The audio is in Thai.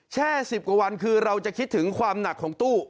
๑๐กว่าวันคือเราจะคิดถึงความหนักของตู้